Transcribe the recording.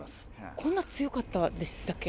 こんな強かったでしたっけ？